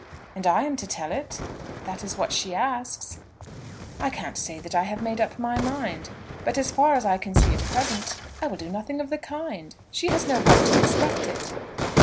"And I am to tell it?" "That is what she asks." "I can't say that I have made up my mind; but, as far as I can see at present, I will do nothing of the kind. She has no right to expect it."